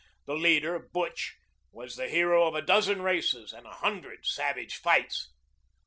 The leader Butch was the hero of a dozen races and a hundred savage fights.